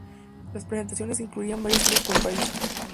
Las presentaciones incluirían varias giras por el país.